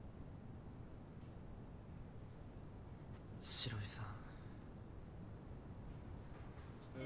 城井さん。